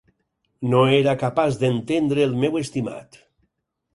No era capaç d'entendre el meu estimat.